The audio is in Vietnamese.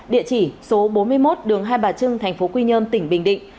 địa chỉ số bốn mươi một đường hai bà trưng tp quy nhơn tỉnh bình định